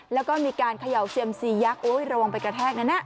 แล้วก็มีการเขย่าเซียมซียักษ์โอ้ยระวังไปกระแทกนะนะ